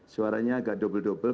suaranya agak dobel dobel